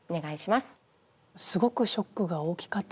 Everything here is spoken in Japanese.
すごくショックが大きかったです。